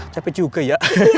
tepe juga ya